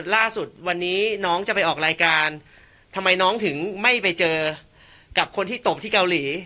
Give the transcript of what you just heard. ล่าสุดวันนี้น้องจะไปออกรายการทำไมน้องถึงไม่ไปเจอกับคนที่ตบที่เกาหลี